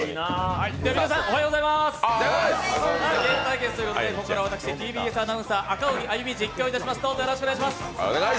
皆さん、おはようございますゲーム対決ということでここからは私、ＴＢＳアナウンサー・赤荻歩が実況をいたします。